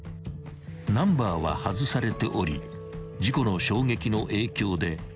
［ナンバーは外されており事故の衝撃の影響で屋根はへこみ